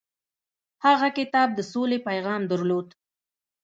هغه کتاب د سولې پیغام درلود.